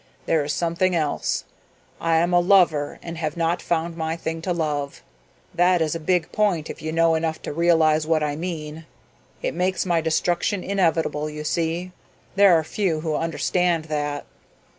"There is something else. I am a lover and have not found my thing to love. That is a big point if you know enough to realize what I mean. It makes my destruction inevitable, you see. There are few who understand that."